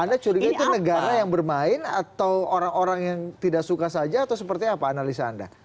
anda curiga itu negara yang bermain atau orang orang yang tidak suka saja atau seperti apa analisa anda